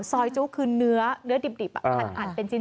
ซอยจุคือเนื้อเนื้อดิบแอดอันของจีน